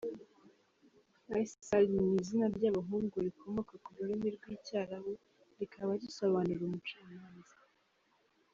Faysal ni izina ry’abahungu rikomoka ku rurimi rw’Icyarabu rikaba risobanura “Umucamanza”.